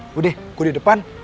gue deh gue di depan